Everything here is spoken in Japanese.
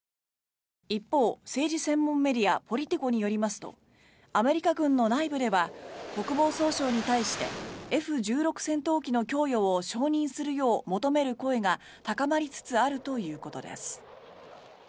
一方、政治専門メディアポリティコによりますとアメリカ軍の内部では国防総省に対してＦ１６戦闘機の供与を承認するよう求める声が高まりつつあるということです。